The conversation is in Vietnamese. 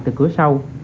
từ cửa sau